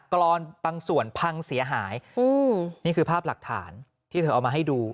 กรอนบางส่วนพังเสียหายอืมนี่คือภาพหลักฐานที่เธอเอามาให้ดู